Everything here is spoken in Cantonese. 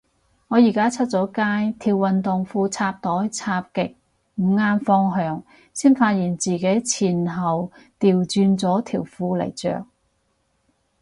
我而家出咗街，條運動褲插袋插極唔啱方向，先發現自己前後掉轉咗條褲嚟着